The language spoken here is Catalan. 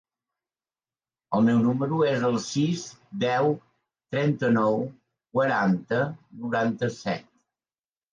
El meu número es el sis, deu, trenta-nou, quaranta, noranta-set.